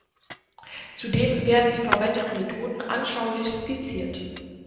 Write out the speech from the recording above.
Zudem werden die verwendeten Methoden anschaulich skizziert.